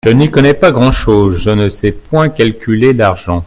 Je n’y connais pas grand’ chose : je ne sais point calculer l’argent.